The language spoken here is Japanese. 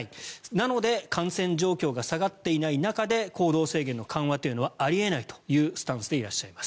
なので感染状況が下がっていない中で行動制限の緩和というのはあり得ないというスタンスでいらっしゃいます。